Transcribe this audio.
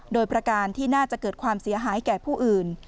โดยประการที่น่าจะเกิดความเสียหายแก่ผู้อื่น